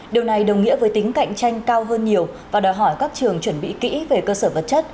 điều này đồng nghĩa với tính cạnh tranh cao hơn nhiều và đòi hỏi các trường chuẩn bị kỹ về cơ sở vật chất